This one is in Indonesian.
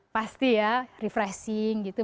pasti ya refreshing gitu